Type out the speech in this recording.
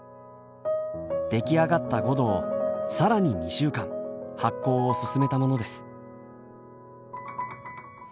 出来上がったごどを更に２週間発酵を進めたものです。